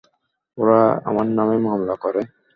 ওরা আমার নামে মামলা করে।